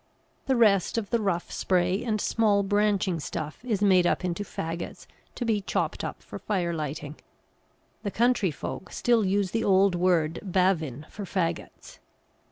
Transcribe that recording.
The rest of the rough spray and small branching stuff is made up into faggots to be chopped up for fire lighting; the country folk still use the old word "bavin" for faggots.